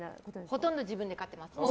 ほとんど自分で買ってます。